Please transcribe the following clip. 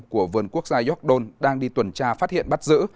của vườn quốc gia york don đang đi tuần tra phát hiện bắt giữ